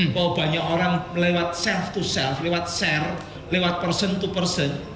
bahwa banyak orang lewat self to self lewat share lewat person to person